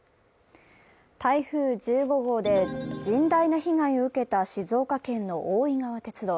台風１５号で甚大な被害を受けた静岡県の大井川鐵道。